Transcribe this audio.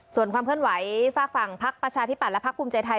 ส่วนความเพื่อนไหวฝากฝังพรรคประชาธิปัตรและพรรคภูมิใจไทย